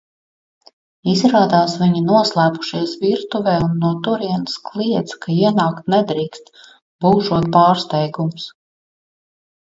Izrādās, viņi noslēpušies virtuvē un no turienes kliedz, ka ienākt nedrīkst, būšot pārsteigums.